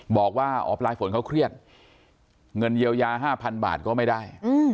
บอกว่าอ๋อปลายฝนเขาเครียดเงินเยียวยา๕๐๐๐บาทก็ไม่ได้